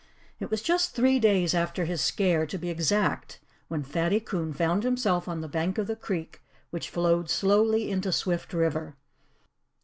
It was just three days after his scare, to be exact, when Fatty Coon found himself on the bank of the creek which flowed slowly into Swift River.